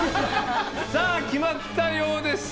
さあ決まったようです。